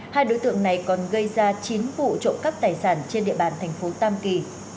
hai đối tượng này còn gây ra chín vụ trộm cắp tài sản trên địa bàn thành phố tam kỳ